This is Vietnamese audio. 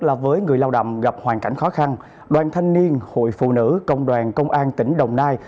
là với người lao động gặp hoàn cảnh khó khăn đoàn thanh niên hội phụ nữ công đoàn công an tỉnh đồng nai